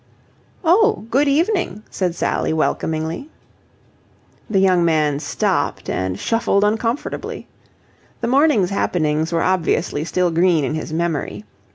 "Oh, good evening," said Sally welcomingly. The young man stopped, and shuffled uncomfortably. The morning's happenings were obviously still green in his memory.